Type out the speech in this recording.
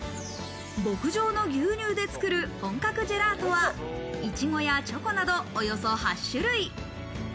牧場の牛乳で作る本格ジェラートは、いちごやチョコなど、およそ８種類。